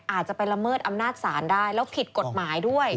อาจจะไปละเมิดอำนาจศาลได้แล้วผิดกฎหมายด้วย